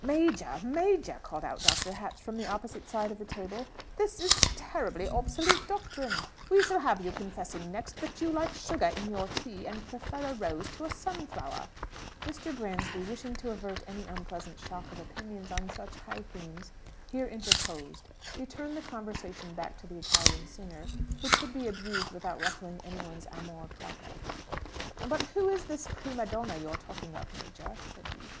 "Major, Major," called out Dr. Hatch from the opposite side of the table, "this is terribly obsolete doctrine! We shall have you confessing next that you like sugar in your tea, and prefer a rose to a sunflower!" Mr. Bransby, wishing to avert any unpleasant shock of opinions on such high themes, here interposed. He turned the conversation back to the Italian singer, who could be abused without ruffling anybody's amour proper. "But who is this prima donna you're talking of, Major?" said he.